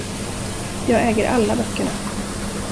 Jag äger alla böckerna.